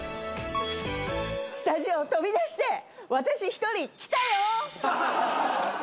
スタジオを飛び出して私１人来たよ！